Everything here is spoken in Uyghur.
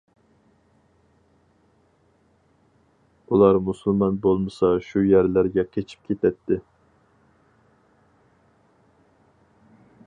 ئۇلار مۇسۇلمان بولمىسا شۇ يەرلەرگە قېچىپ كېتەتتى.